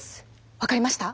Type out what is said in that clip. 分かりました？